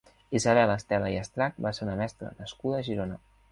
Isabel Estela i Estrach va ser una mestra nascuda a Girona.